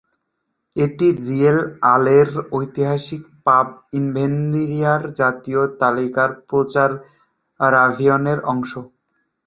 এটি রিয়েল আলের ঐতিহাসিক পাব ইনভেনটরির জাতীয় তালিকা প্রচারাভিযানের অংশ।